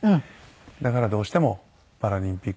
だからどうしてもパラリンピック。